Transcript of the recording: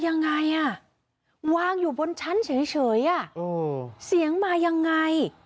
ยังไงอ่ะวางอยู่บนชั้นเฉยเสียงมายังไง